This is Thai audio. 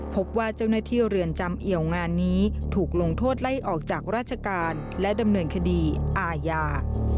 พบว่าเจ้าหน้าที่เรือนจำเอี่ยวงานนี้ถูกลงโทษไล่ออกจากราชการและดำเนินคดีอาญา